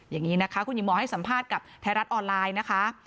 อย่างนี้นะคะคุณหญิงหมอให้สัมภาษณ์กับไทยรัฐออนไลน์นะคะ